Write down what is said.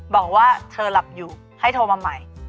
บอกว่าเธอหลับอยู่ให้โทรมาใหม่